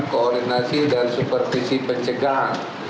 koordinasi dan supervisi pencegahan